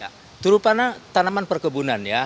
ya terutama tanaman perkebunan ya